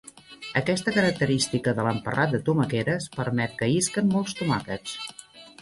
Aquesta característica de l'emparrat de tomaqueres permet que isquen molts tomàquets.